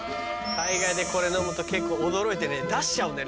海外でこれ飲むと結構驚いてね出しちゃうんだよね。